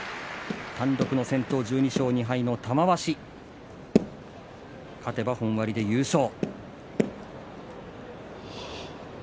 単独の先頭、１２勝２敗の玉鷲勝てば本割で優勝。